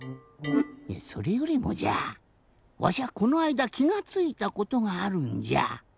それよりもじゃわしはこのあいだきがついたことがあるんじゃ。